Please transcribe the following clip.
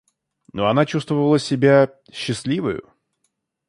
Но она чувствовала себя счастливою.